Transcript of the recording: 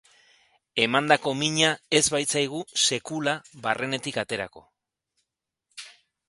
Emandako mina ez baitzaigu sekula barrenetik aterako.